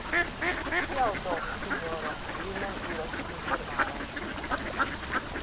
Kial do, sinjoro, vi mem iros plu surmaron?